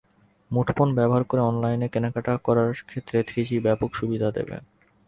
মুঠোফোন ব্যবহার করে অনলাইনে কেনাকাটা করার ক্ষেত্রে থ্রিজি ব্যাপক সুবিধা দেবে।